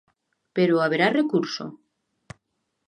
Pero, haberá recurso?